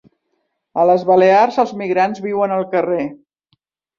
A les Balears els migrants viuen al carrer